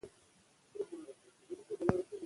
که وخت پیدا شي، خبرې به وکړو.